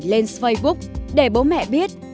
trên facebook để bố mẹ biết